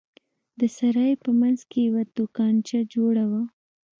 د سراى په منځ کښې يوه دوکانچه جوړه وه.